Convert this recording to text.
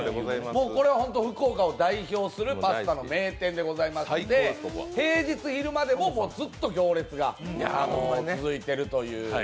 これは本当、福岡を代表するパスタの名店でございまして平日昼間でもずっと行列が続いているという。